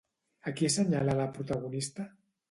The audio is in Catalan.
A qui assenyala la protagonista?